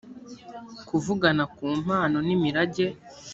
kuvugana ku mpano n imirage